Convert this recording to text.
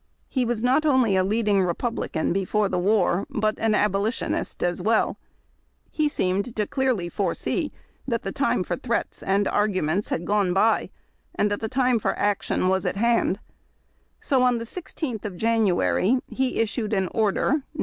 He was not only a leading Re[)ublican before the war, but an Abolitionist as well. He seemed to clearly foresee that the time for threats and arsfuments had g one TdE .MINITE JIAN OK '(il. 24 IIAED TACK AND COFFEE. by, and that the time for action was at hand. So on the 16th of January he issued an order (No.